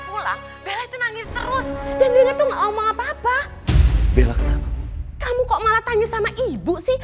pulang bella itu nangis terus kamu kok malah tanya sama ibu sih